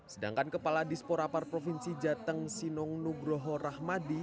sedangkan kepala disporapar provinsi jateng sinong nugroho rahmadi